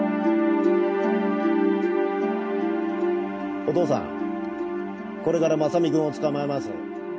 お父さんこれから正実君を捕まえます。